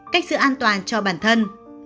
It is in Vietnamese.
cách sự an toàn cho bản thân